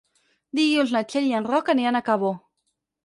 Dilluns na Txell i en Roc aniran a Cabó.